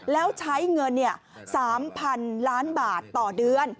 แล้วใช้เงิน๓๐๐๐ล้านบาทต่อเดือน